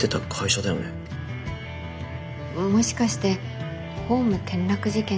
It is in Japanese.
もしかしてホーム転落事件と。